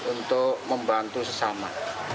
untuk membantu sesama